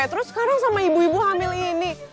terus sekarang sama ibu ibu hamil ini